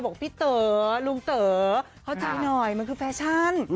บอกพี่เต๋อลุงเต๋อเข้าใจหน่อยมันคือแฟชั่น